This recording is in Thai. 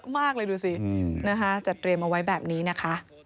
มากเลยดูสินะคะจัดเตรียมเอาไว้แบบนี้นะคะ